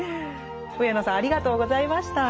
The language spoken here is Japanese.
上野さんありがとうございました。